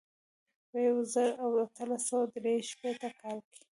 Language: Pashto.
په یو زر او اتلس سوه درې شپېته کال کې.